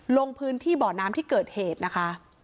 ลงพื้นที่บ่อน้ำที่เกิดเหตุนะคะ